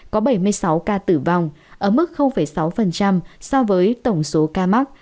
có bảy mươi sáu ca tử vong ở mức sáu so với tổng số ca mắc